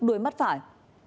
đuôi mắt phải